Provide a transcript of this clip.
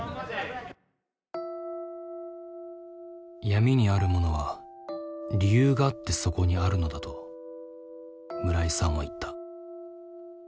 闇にあるものは理由があってそこにあるのだと村井さんは言った。